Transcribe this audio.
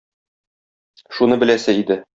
Шуны беләсе иде.